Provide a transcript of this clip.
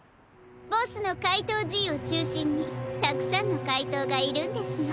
ボスのかいとうＧをちゅうしんにたくさんのかいとうがいるんですの。